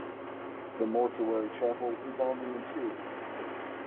The mortuary chapel is on the interior.